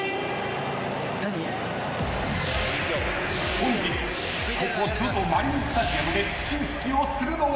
本日ここＺＯＺＯマリンスタジアムで始球式をするのは。